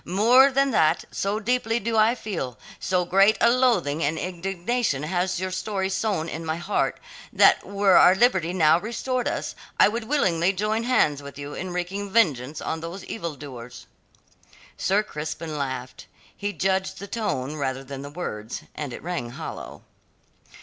More than that, so deeply do I feel, so great a loathing and indignation has your story sown in my heart, that were our liberty now restored us I would willingly join hands with you in wreaking vengeance on these evildoers." Sir Crispin laughed. He judged the tone rather than the words, and it rang hollow.